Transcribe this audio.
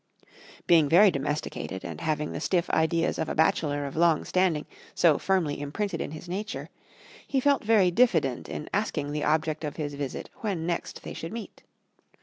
Being very domesticated, and having the stiff ideas of a bachelor of long standing so firmly imprinted in his nature, he felt very diffident in asking the object of his visit when next they should meet.